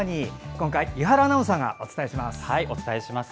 今回は伊原アナウンサーがお伝えします。